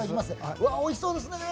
うわ、おいしそうですね。